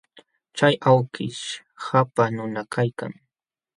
Chay awkish qapaq nunam kaykan.